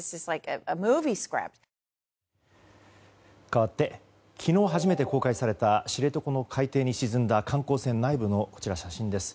かわって昨日初めて公開された知床の海底に沈んだ観光船内部の写真です。